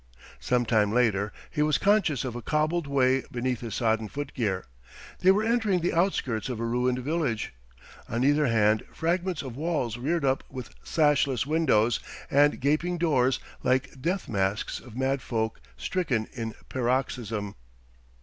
Some time later he was conscious of a cobbled way beneath his sodden footgear. They were entering the outskirts of a ruined village. On either hand fragments of walls reared up with sashless windows and gaping doors like death masks of mad folk stricken in paroxysm.